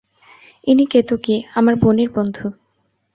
ইনি কেতকী, আমার বোনের বন্ধু।